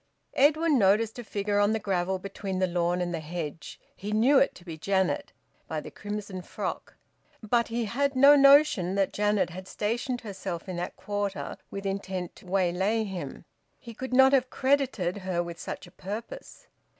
Edwin noticed a figure on the gravel between the lawn and the hedge. He knew it to be Janet, by the crimson frock. But he had no notion that Janet had stationed herself in that quarter with intent to waylay him. He could not have credited her with such a purpose.